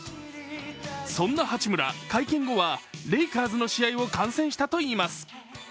そんな八村、会見後はレイカーズの試合を観戦したといいます。